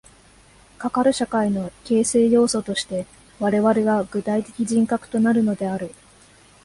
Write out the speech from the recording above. かかる社会の形成要素として我々は具体的人格となるのである。